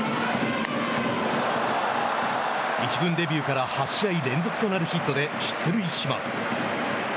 １軍デビューから８試合連続となるヒットで出塁します。